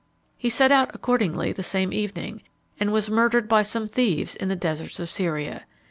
He set out accordingly the same evening, and was murdered by some thieves in the deserts of Syria.